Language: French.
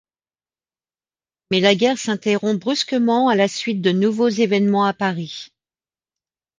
Mais la guerre s'interrompt brusquement à la suite de nouveaux événements à Paris.